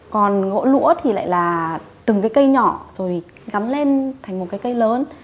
còn gỗ lũa thì lại là từng cái cây nhỏ rồi gắn lên thành một cái cây lớn